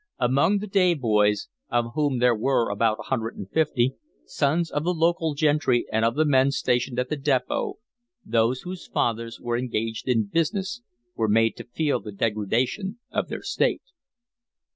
Among the day boys, of whom there were about a hundred and fifty, sons of the local gentry and of the men stationed at the depot, those whose fathers were engaged in business were made to feel the degradation of their state.